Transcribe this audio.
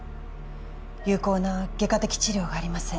有効な外科的治療がありません